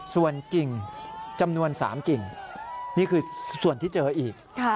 ส่วนกิ่งจำนวน๓กิ่งนี่คือส่วนที่เจออีก